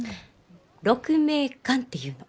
鹿鳴館っていうの。